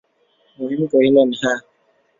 মহিম কহিলেন, হাঁ।